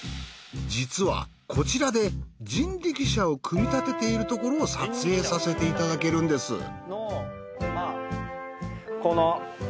実はこちらで人力車を組み立てているところを撮影させていただけるんです。